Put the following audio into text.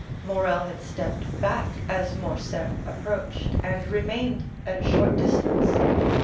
Morrel had stepped back as Morcerf approached, and remained at a short distance.